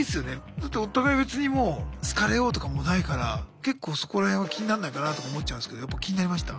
だってお互い別にもう好かれようとかもないから結構そこら辺は気になんないかなとか思っちゃうんですけどやっぱ気になりました？